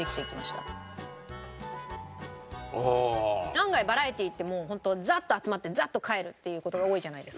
案外バラエティーってもうホントザッと集まってザッと帰るっていう事が多いじゃないですか。